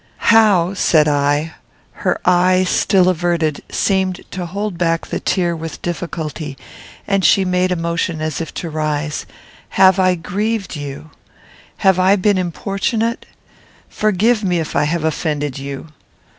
"How!" said I, (her eye, still averted, seemed to hold back the tear with difficulty, and she made a motion as if to rise,) "have I grieved you? Have I been importunate? Forgive me if I have offended you."